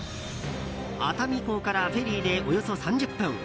熱海港からフェリーでおよそ３０分。